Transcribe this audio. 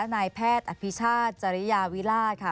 นายแพทย์อภิชาติจริยาวิราชค่ะ